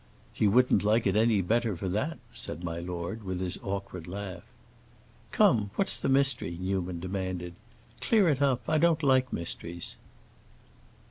"He wouldn't like it any better for that!" said my lord, with his awkward laugh. "Come; what's the mystery?" Newman demanded. "Clear it up. I don't like mysteries."